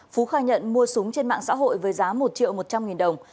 phú khai nhận mua súng trên mạng xã hội với giá một triệu một trăm linh nghìn đồng